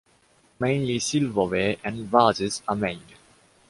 Mainly silverware and vases are made.